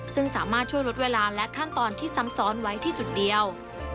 ซึ่งสามารถช่วยลดเวลาและขั้นตอนที่ซ้ำซ้อนไว้ที่จุดเดียว